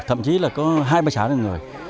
thậm chí là có hai ba xã đều người